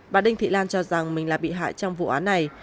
bà đinh thị lan cho rằng mình là bị hại trong vụ án này